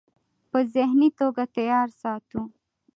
پۀ ذهني توګه تيار ساتو -